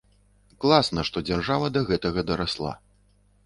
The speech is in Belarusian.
Класна, што дзяржава да гэтага дарасла.